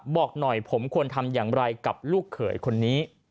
บอกหน่อยผมควรทำอย่างไรกับลูกเขยคนนี้